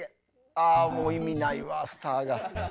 ああもう意味ないわスターが。